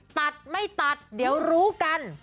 ตัดไม่ตัดเดี๋ยวรู้กัน